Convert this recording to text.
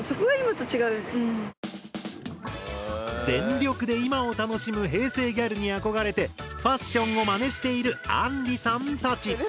全力で今を楽しむ平成ギャルに憧れてファッションをまねしているあんりさんたち。